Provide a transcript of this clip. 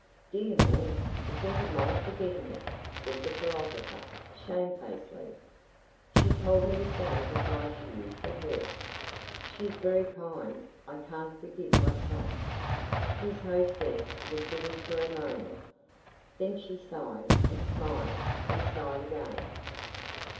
"Dear me! To think of my forgetting it!" said the philosopher, shamefacedly. "She told me to say good bye to you for her." "She's very kind. I can't forgive myself." His hostess looked at him for a moment; then she sighed, and smiled, and sighed again.